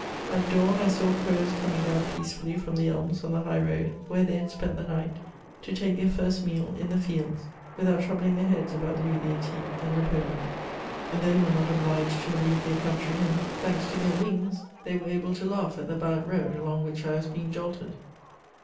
At dawn, I saw crows coming down peacefully from the elms on the high road where they had spent the night, to take their first meal in the fields, without troubling their heads about Louis XVIII. and Napoleon: they were not obliged to leave their country and, thanks to their wings, they were able to laugh at the bad road along which I was being jolted.